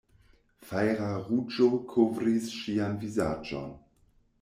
Fajra ruĝo kovris ŝian vizaĝon.